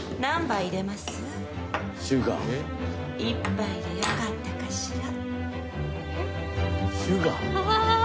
「１杯でよかったかしら？」